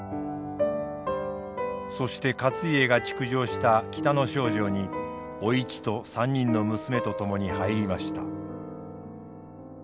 そして勝家が築城した北の庄城にお市と３人の娘と共に入りました。